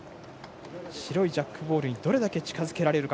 白いジャックボールにどれだけ近づけられるか。